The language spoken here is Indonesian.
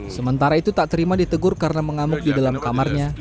sementara itu tak terima ditegur karena mengamuk di dalam kamarnya